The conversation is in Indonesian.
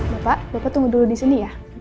bapak bapak tunggu dulu di sini ya